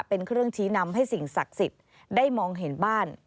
เป็นเครื่องชี้นำให้สิ่งศักดิ์สิทธิ์ได้มองเห็นบ้าน